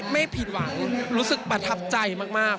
ไม่ผิดหวังรู้สึกประทับใจมาก